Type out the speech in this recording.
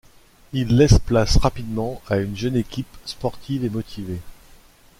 Il laisse place rapidement à une jeune équipe sportive et motivée.